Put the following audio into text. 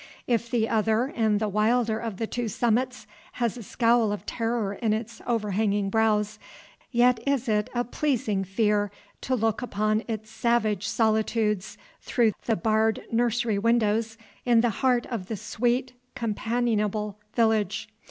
If the other and the wilder of the two summits has a scowl of terror in its overhanging brows, yet is it a pleasing fear to look upon its savage solitudes through the barred nursery windows in the heart of the sweet, companionable village.